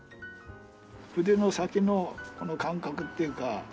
筆の先のこの感覚っていうか。